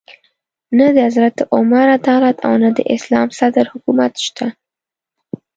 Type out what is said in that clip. نه د حضرت عمر عدالت او نه د اسلام د صدر حکومت شته.